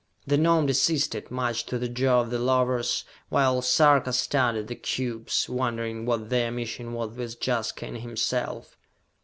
The Gnome desisted, much to the joy of the lovers, while Sarka studied the cubes, wondering what their mission was with Jaska and himself.